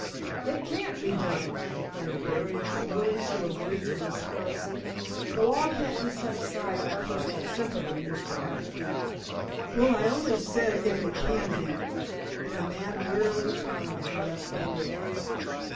"It can't be done!" declared Burdon, unwilling to agree to this heresy. "The law can't be set aside by personal sympathy, Mr. Appleby!" "Well, I only said, if it can be," and the man wearily turned and left the room.